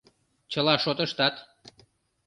Чыла шотыштат.